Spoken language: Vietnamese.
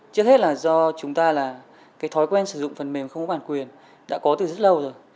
trước hết là do chúng ta là cái thói quen sử dụng phần mềm không có bản quyền đã có từ rất lâu rồi